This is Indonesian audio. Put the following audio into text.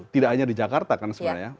tidak hanya di jakarta kan sebenarnya